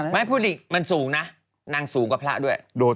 ไม่พูดอีกมันสูงนะนางสูงกว่าพระด้วย